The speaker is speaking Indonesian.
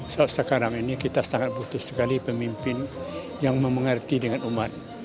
soal sekarang ini kita sangat butuh sekali pemimpin yang memengerti dengan umat